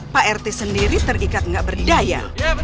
pak rt sendiri terikat nggak berdaya